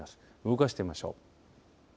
動かしてみましょう。